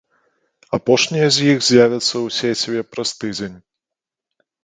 Апошняя з іх з'явіцца ў сеціве праз тыдзень.